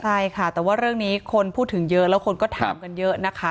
ใช่ค่ะแต่ว่าเรื่องนี้คนพูดถึงเยอะแล้วคนก็ถามกันเยอะนะคะ